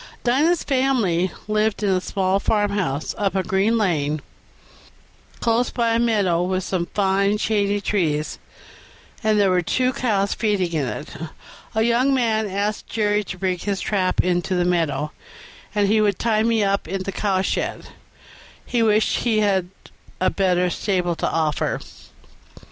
Dinah's family lived in a small farmhouse, up a green lane, close by a meadow with some fine shady trees; there were two cows feeding in it. A young man asked Jerry to bring his trap into the meadow, and he would tie me up in the cowshed; he wished he had a better stable to offer.